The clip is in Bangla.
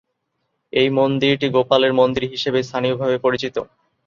এই মন্দিরটি "গোপালের মন্দির" হিসেবে স্থানীয়ভাবে পরিচিত।